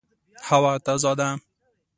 هوا تازه ده